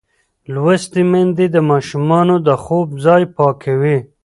لوستې میندې د ماشومانو د خوب ځای پاکوي.